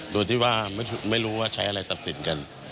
โดยที่ว่าไม่รู้ว่าใช้อะไรตัดสินกัน